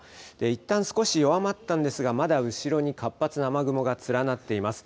いったん少し弱まったんですが、まだ後ろに活発な雨雲が連なっています。